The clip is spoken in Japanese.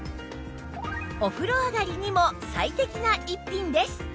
お風呂上がりにも最適な逸品です